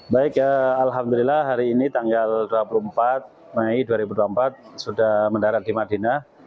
baik alhamdulillah hari ini tanggal dua puluh empat mei dua ribu dua puluh empat sudah mendarat di madinah